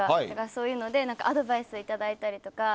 そういうのでアドバイスをいただいたりとか。